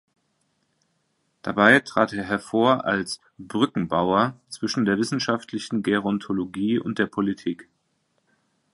Dabei trat er hervor als „Brückenbauer“ zwischen der wissenschaftlichen Gerontologie und der Politik.